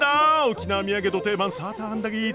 沖縄土産の定番サーターアンダギー。